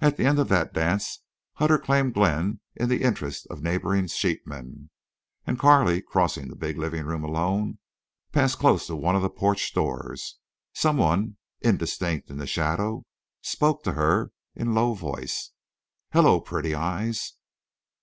At the end of that dance Hutter claimed Glenn in the interest of neighboring sheep men. And Carley, crossing the big living room alone, passed close to one of the porch doors. Some one, indistinct in the shadow, spoke to her in low voice: "Hello, pretty eyes!"